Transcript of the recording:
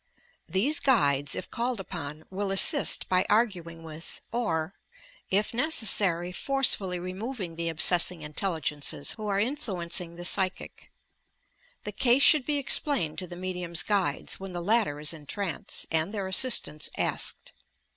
These guides, if called upon, will assist by arguing with, or, if r OBSESSION AND INSANITY 213 npcPEsary forcefully removing the obsessing intelligences whn are influencing the psychic. The case should be explained to the medium's guides, when the latter is in trance, and their assistance asked.